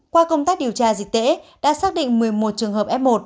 qua công tác điều tra dịch tễ đã xác định một mươi một trường hợp f một